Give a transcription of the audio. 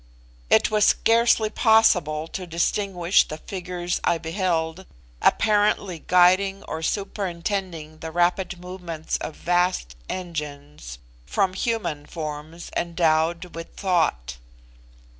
It was scarcely possible to distinguish the figures I beheld, apparently guiding or superintending the rapid movements of vast engines, from human forms endowed with thought.